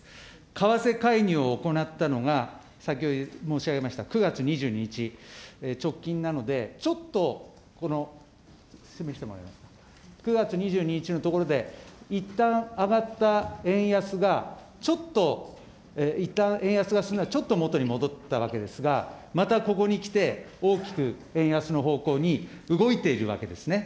為替介入を行ったのが先ほど申し上げました９月２２日、直近なのでちょっとこの９月２２日のところで、いったん上がった円安が、ちょっといったん円安が、ちょっと元に戻ったわけですが、またここに来て、大きく円安の方向に動いているわけですね。